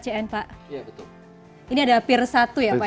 kebelakang apakah ini yang disebut sebagai pelabuhan kcn pak